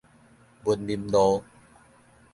文林路